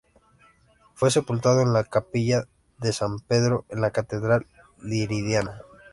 Fue sepultado en la capilla de san Pedro en la catedral leridana.